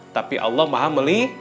tapi allah maha melihat